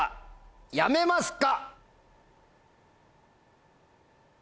やめますか？